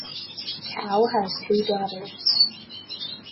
Kao has two daughters.